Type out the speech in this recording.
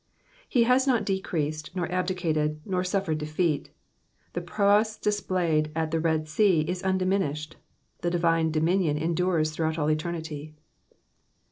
'*'* He has not deceased, nor abdicated, nor suffered defeat. The prowess displayed at the Red Sea is undiminished : the divine dominion endures throughout eternity.